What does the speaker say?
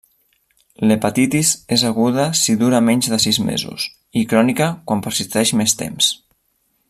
L'hepatitis és 'aguda' si dura menys de sis mesos, i 'crònica' quan persisteix més temps.